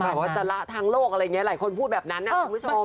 ว่าจะละทางโลกอะไรอย่างนี้หลายคนพูดแบบนั้นนะคุณผู้ชม